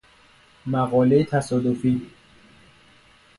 مقالهٔ تصادفی